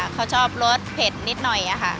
เขาชอบรสเผ็ดนิดหน่อยค่ะ